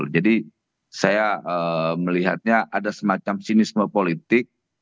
jadi saya melihatnya ada semacam sinisme politik